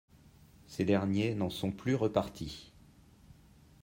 Ces derniers n’en sont plus repartis.